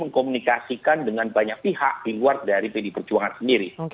mengkomunikasikan dengan banyak pihak di luar dari pd perjuangan sendiri